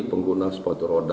pengguna sepatu roda ya